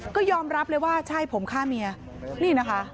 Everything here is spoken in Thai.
ก็ยอมรับเลยว่าใช่ผมฆ่าเมียนี่นะคะ